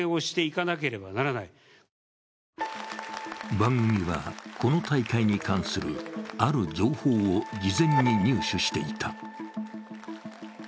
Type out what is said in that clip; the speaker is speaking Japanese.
番組は、この大会に関するある情報を事前に入手していた。